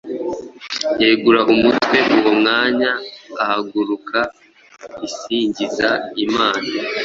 yegura umutwe uwo mwanya ihaguruka isingiza Imana.